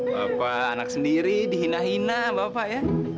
bapak anak sendiri dihina hina bapak ya